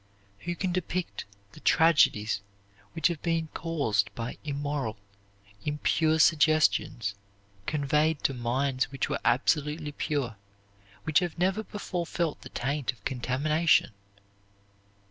Who can depict the tragedies which have been caused by immoral, impure suggestion conveyed to minds which were absolutely pure, which have never before felt the taint of contamination?